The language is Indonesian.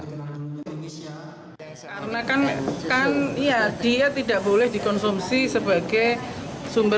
karena kan dia tidak boleh dikonsumsi